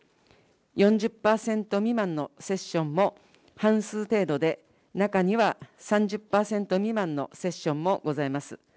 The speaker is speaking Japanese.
４０％未満のセッションも半数程度で、中には３０％未満のセッションもございます。